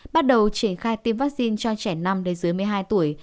bắt đầu triển khai tiêm vaccine cho trẻ năm đến dưới một mươi hai tuổi